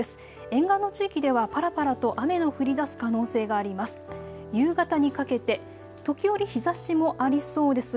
沿岸の地域ではぱらぱらと雨の降りだす可能性があります。